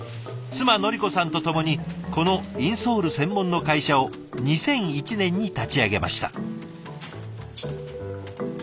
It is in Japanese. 妻のり子さんとともにこのインソール専門の会社を２００１年に立ち上げました。